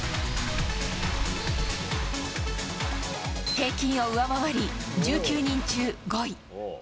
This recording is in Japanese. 平均を上回り１９人中５位。